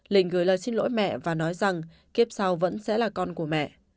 linh gửi lời xin lỗi mẹ và nói rằng kiếp sau vẫn sẽ là con của mẹ